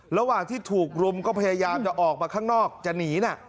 ระหว่างที่ถูกรุมก็พยายามจะออกมาข้างนอกจะหนีนะ